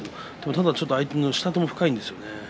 ただ相手の下手も深いんですね。